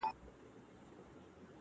د لېونتوب اته شپيتمو دقيقو کي بند دی,